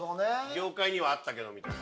業界にはあったけどみたいな。